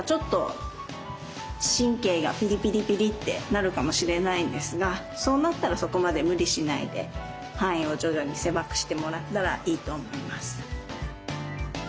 なるかもしれないんですがそうなったらそこまで無理しないで範囲を徐々に狭くしてもらったらいいと思います。